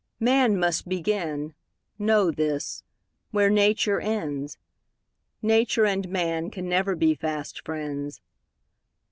Man must begin, know this, where Nature ends; Nature and man can never be fast friends.